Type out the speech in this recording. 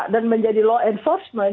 dan menjadi law enforcement